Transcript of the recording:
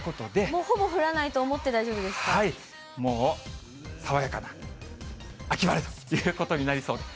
もうほぼ降らないと思って大もう、爽やかな秋晴れということになりそうで。